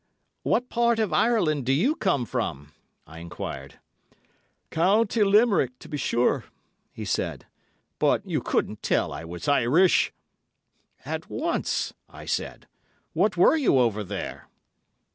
"What part of Ireland do you come from?" I enquired. "County Limerick, to be sure," he said; "but you couldn't tell I was Irish!" "At once," I said. "What were you over there?"